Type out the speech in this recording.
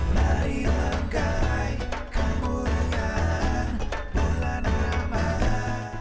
marilah gapai kemuliaan bulan ramadhan